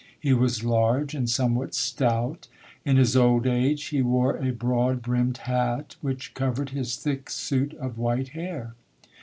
He was large and some what stout. In his old age he wore a broad brimmed hat which covered his thick suit of white hair.